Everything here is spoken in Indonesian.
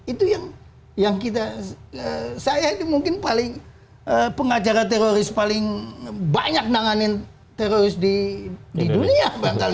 itu yang kita saya mungkin paling pengajaran teroris paling banyak nanganin teroris di dunia